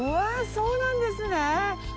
そうなんですね！